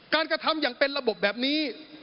กระทำอย่างเป็นระบบแบบนี้